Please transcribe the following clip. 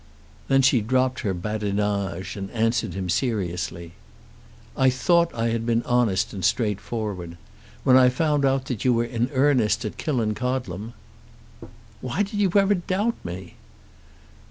Then she dropped her badinage and answered him seriously. "I thought I had been honest and straightforward. When I found that you were in earnest at Killancodlem " "Why did you ever doubt me?"